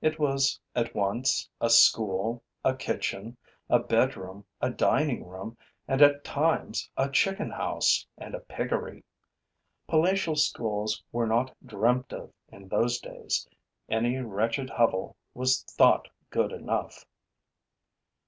It was at once a school, a kitchen, a bedroom, a dining room and, at times, a chicken house and a piggery. Palatial schools were not dreamt of in those days; any wretched hovel was thought good enough.